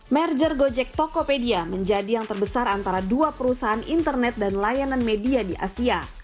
merger gojek tokopedia menjadi yang terbesar antara dua perusahaan internet dan layanan media di asia